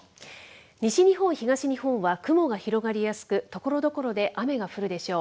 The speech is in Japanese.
西日本、東日本は雲が広がりやすく、ところどころで雨が降るでしょう。